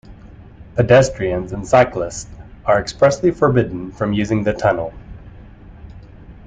Pedestrians and cyclists are expressly forbidden from using the tunnel.